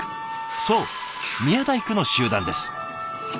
そう宮大工の集団です。